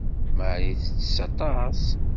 Marie tettess aṭas.